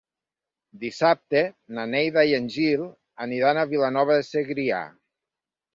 Dissabte na Neida i en Gil aniran a Vilanova de Segrià.